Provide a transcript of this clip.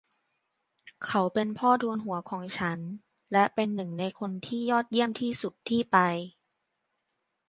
เขาเป็นพ่อทูนหัวของฉัน และเป็นหนึ่งในคนที่ยอดเยี่ยมที่สุดที่ไป